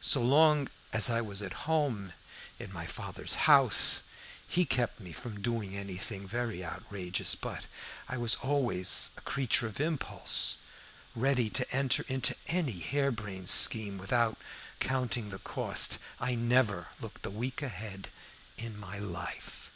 So long as I was at home in my father's house he kept me from doing anything very outrageous, but I was always a creature of impulse, ready to enter into any hair brained scheme without counting the cost. I never looked a week ahead in my life.